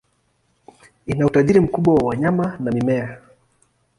Ina utajiri mkubwa wa wanyama na mimea.